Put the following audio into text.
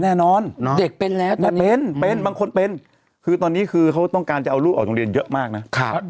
แน่นอนเนาะเป็นบางคนเป็นคือตอนนี้คือเขาต้องการจะเอารูปออกโรงเรียนเยอะมากนะ